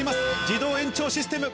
自動延長システム。